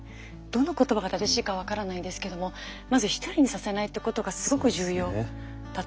どんな言葉が正しいか分からないですけどもまず１人にさせないってことがすごく重要だと思いますね。